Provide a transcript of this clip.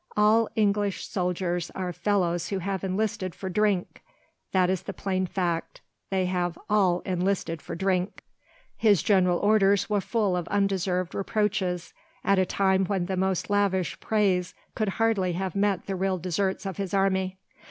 "All English soldiers are fellows who have enlisted for drink. That is the plain fact—they have all enlisted for drink." His general orders were full of undeserved reproaches at a time when the most lavish praise could hardly have met the real deserts of his army.